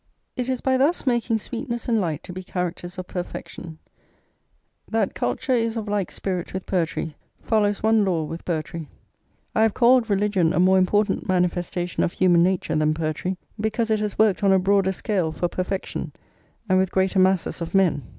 It is by thus making sweetness and light to be characters of perfection, that culture is of like spirit with poetry, follows one law with poetry. I have called religion a more important manifestation of human nature than poetry, because it has worked on a broader scale for perfection, and with greater masses of men.